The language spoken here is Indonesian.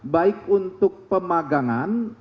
baik untuk pemagangan